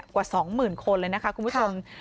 กว่า๒๐๐๐คนเลยนะคะคุณผู้ชม